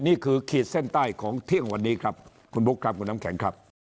ขีดเส้นใต้ของเที่ยงวันนี้ครับคุณบุ๊คครับคุณน้ำแข็งครับ